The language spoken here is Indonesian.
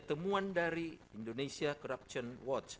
temuan dari indonesia corruption watch